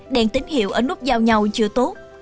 đèn tín hiệu ở nút giao nhau chưa tốt